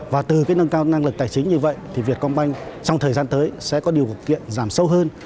và từ cái nâng cao năng lực tài chính như vậy thì vietcombank trong thời gian tới sẽ có điều kiện giảm sâu hơn